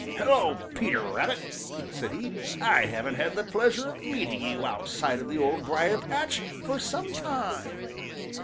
"Hello, Peter Rabbit," said he. "I haven't had the pleasure of meeting you outside of the Old Briar patch for some time."